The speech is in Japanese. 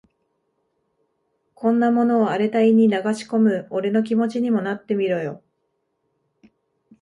こんなものを荒れた胃に流し込む俺の気持ちにもなってみろよ。